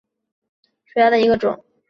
葎草蚜为常蚜科蚜属下的一个种。